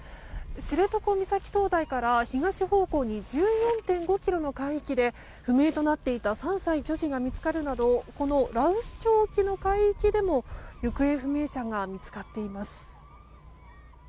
知床岬灯台から東方向に１４．５ｋｍの海域で不明となっていた３歳女児が見つかるなどこの羅臼町沖の海域でも行方不明者が見つかっています。